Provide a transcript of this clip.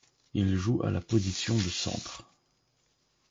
Il joue à la position de centre.